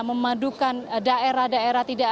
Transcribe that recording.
memadukan daerah daerah tidak